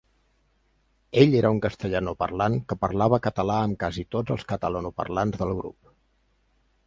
Ell era un castellanoparlant que parlava català amb quasi tots els catalanoparlants del grup.